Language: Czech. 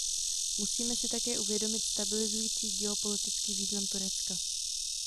Musíme si také uvědomit stabilizující geopolitický význam Turecka.